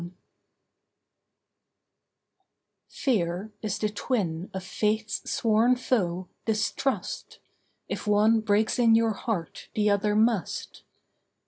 FEAR Fear is the twin of Faith's sworn foe, Distrust. If one breaks in your heart the other must.